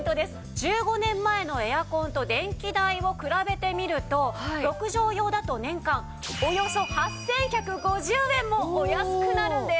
１５年前のエアコンと電気代を比べてみると６畳用だと年間およそ８１５０円もお安くなるんです。